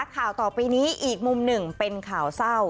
ข่าวต่อไปนี้อีกมุมหนึ่งเป็นข่าวเศร้า